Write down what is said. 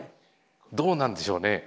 どうなんでしょうね。